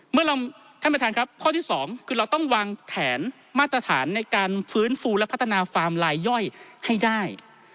ท่านประธานครับข้อที่สองคือเราต้องวางแผนมาตรฐานในการฟื้นฟูและพัฒนาฟาร์มลายย่อยให้ได้